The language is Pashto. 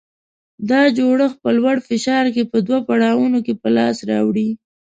دا جوړښت په لوړ فشار کې په دوه پړاوونو کې په لاس راوړي.